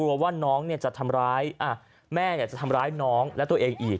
แล้วก็กลัวว่าน้องจะทำร้ายแม่จะทำร้ายน้องแล้วตัวเองอีก